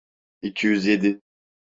İki yüz yedi.